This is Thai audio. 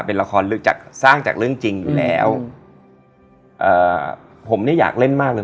เป็นละครลึกจากสร้างจากเรื่องจริงอยู่แล้วเอ่อผมเนี่ยอยากเล่นมากเลย